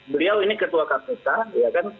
beliau ini ketua kapasitas